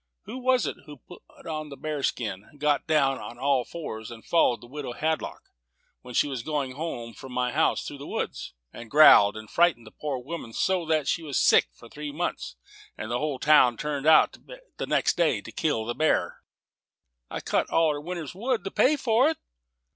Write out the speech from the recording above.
Who was it put on a bear skin, got down on all fours, followed the widow Hadlock when she was going home from my house through the woods, and growled, and frightened the poor woman so that she was sick for three months, and the whole town turned out the next day to kill the bear?" "I cut all her winter's wood, to pay for it."